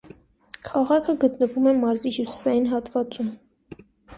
Քաղաքի գտնվում է մարզի հյուսիսային հատվածում։